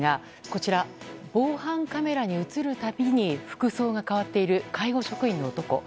こちら、防犯カメラに映るたびに服装が変わっている介護職員の男。